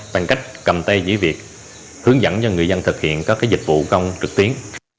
đặc biệt là hướng dẫn cho người dân thực hiện các dịch vụ công trực tuyến